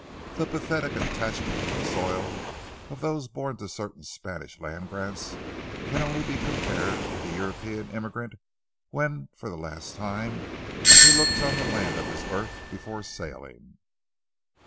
The pathetic attachment to the soil of those born to certain Spanish land grants can only be compared to the European immigrant when for the last time he looks on the land of his birth before sailing.